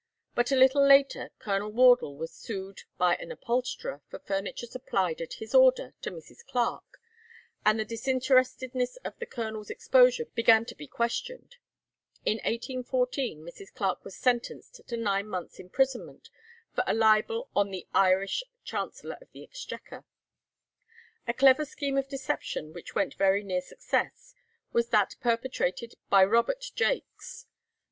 But a little later Colonel Wardle was sued by an upholsterer for furniture supplied at his order to Mrs. Clarke, and the disinterestedness of the colonel's exposure began to be questioned. In 1814 Mrs. Clarke was sentenced to nine months' imprisonment for a libel on the Irish Chancellor of the Exchequer. A clever scheme of deception which went very near success was that perpetrated by Robert Jaques.